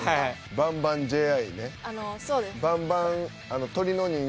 「バンバンＪＩ」。